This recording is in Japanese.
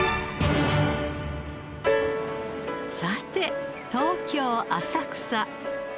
さて東京浅草。